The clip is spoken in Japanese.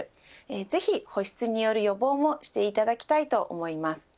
ぜひ保湿による予防もしていただきたいと思います。